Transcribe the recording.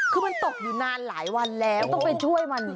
คือมันตกอยู่นานหลายวันแล้วต้องไปช่วยมัน